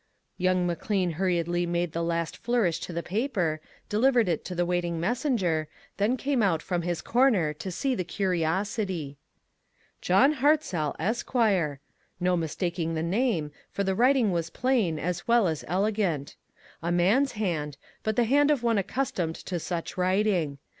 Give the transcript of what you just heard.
Young McLean hurriedly made the last flourish to the paper, delivered it to the waiting messenger, then came out from his corner to see the curiosity. "John Hartzell, Esq." No mistaking the name, for the writing was plain, as well as elegant. A man's hand, but the hand of one accustomed to much writing.